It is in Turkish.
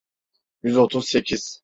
Yüz otuz sekiz.